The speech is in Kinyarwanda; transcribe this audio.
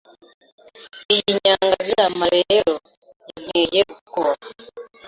Iyi nyangabirama rero yanteye ubwoba